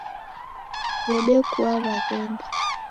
Wedekua waghenda